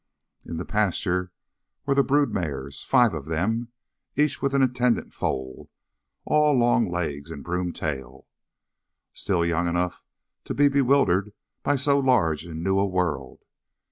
In the pasture were the brood mares, five of them, each with an attendant foal, all long legs and broom tail, still young enough to be bewildered by so large and new a world.